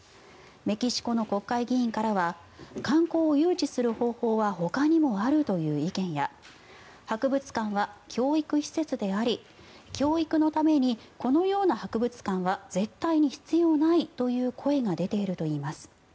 メキシコの国会議員からは観光を誘致する方法はほかにもあるという意見や博物館は教育施設であり教育のためにこのような博物館は絶対に必要ないという声が出ているといいます。